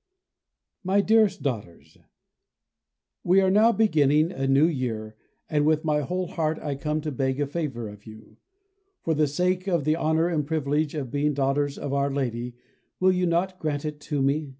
_ MY DEAREST DAUGHTERS, We are now beginning a new year, and with my whole heart I come to beg a favour of you. For the sake of the honour and privilege of being daughters of Our Lady will you not grant it to me?